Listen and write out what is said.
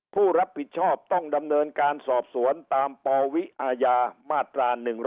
ผู้รับผิดชอบต้องดำเนินการสอบสวนตามปวิอาญามาตรา๑๑๒